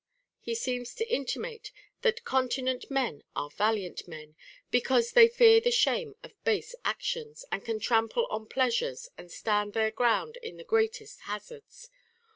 * he seems to intimate that continent men are valiant men ; because they fear the shame of base actions, and can trample on pleasures and stand their ground in the great est hazards.